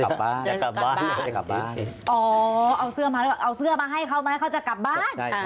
เขาจะกลับบ้านจะกลับบ้าน